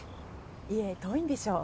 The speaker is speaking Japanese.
家遠いんでしょう？